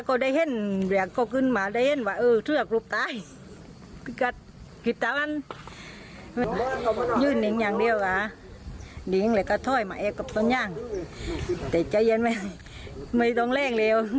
โอ๊ยหมายถึงต้นยางแต่ใจเย็นไหมไม่ต้องเร่งเลยอ่ะ